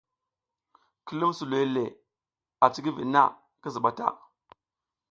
Ki lum suloy le a cikiviɗ na, ki ziɓa ta.